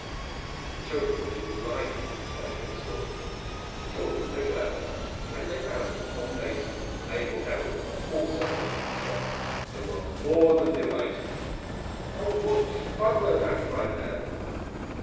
The children were delighted with the pleasure in store for them. They talked of little else, and when they found that Tom Mason and Mabel Herold were also going to the show, they were more than delighted. "Oh, what fun we'll have!" cried Nan.